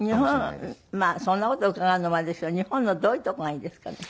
そんな事伺うのもあれですけど日本のどういうとこがいいですかね？